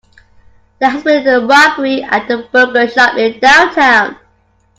There has been a robbery at the burger shop in downtown.